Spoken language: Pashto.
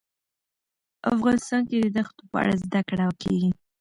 افغانستان کې د دښتو په اړه زده کړه کېږي.